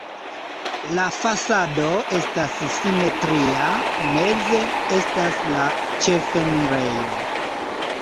La fasado estas simetria, meze estas la ĉefenirejo.